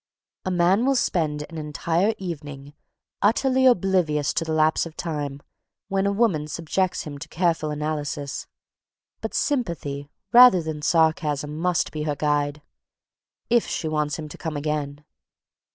A man will spend an entire evening, utterly oblivious of the lapse of time, while a woman subjects him to careful analysis. But sympathy, rather than sarcasm, must be her guide if she wants him to come again.